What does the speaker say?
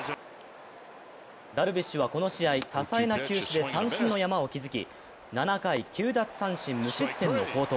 ダルビッシュはこの試合、多彩な球種で三振の山を築き７回９奪三振無失点の好投。